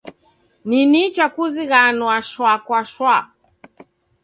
Ni nicha kuzighanwa shwa kwa shwa.